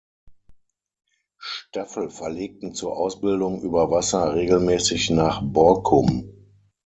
Staffel verlegten zur Ausbildung über Wasser regelmäßig nach Borkum.